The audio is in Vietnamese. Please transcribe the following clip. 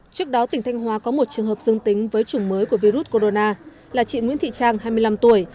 trước đó tỉnh thanh hóa có một trường hợp dương tính với chủng mới của virus corona là chị nguyễn thị trang hai mươi năm tuổi